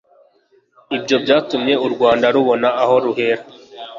Ibyo byatumye u Rwanda rubona aho ruhera